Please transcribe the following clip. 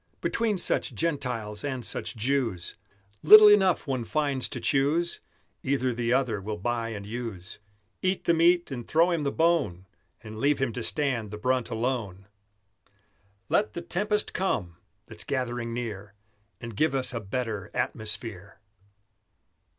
Between such Gentiles and such Jews Little enough one finds to choose: Either the other will buy and use, Eat the meat and throw him the bone, And leave him to stand the brunt alone. Let the tempest come, that's gathering near, And give us a better atmosphere!